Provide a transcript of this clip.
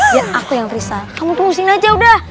ya aku yang risau kamu tunggu disini aja udah